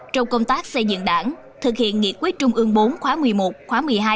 trong công tác xây dựng đảng thực hiện nghị quyết trung ương bốn khóa một mươi một khóa một mươi hai